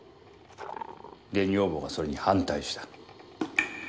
で女房がそれに反対した。